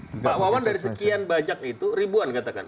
pak owen dari sekian bajak itu ribuan katakan